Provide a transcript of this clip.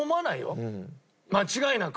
間違いなく。